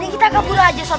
ini kita kabur aja sob